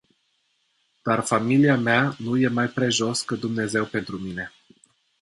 Dar familia mea nu e mai prejos ca Dumnezeu pentru mine.